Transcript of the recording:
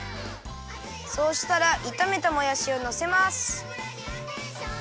そうしたらいためたもやしをのせます。